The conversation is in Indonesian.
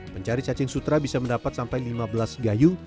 pencari cacing sutra bisa mendapat sampai lima belas gayung